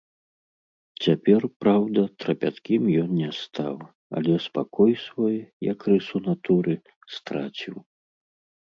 Цяпер, праўда, трапяткім ён не стаў, але спакой свой, як рысу натуры, страціў.